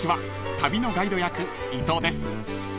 旅のガイド役伊藤です］